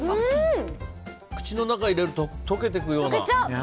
口の中に入れると溶けていくような。